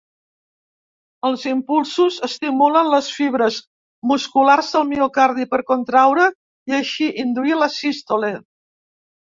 Els impulsos estimulen les fibres musculars del miocardi per contraure i així induir la sístole.